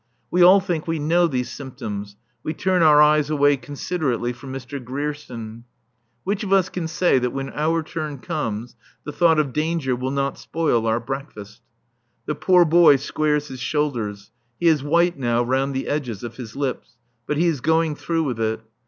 We all think we know these symptoms. We turn our eyes away, considerately, from Mr. Grierson. Which of us can say that when our turn comes the thought of danger will not spoil our breakfast? The poor boy squares his shoulders. He is white now round the edges of his lips. But he is going through with it.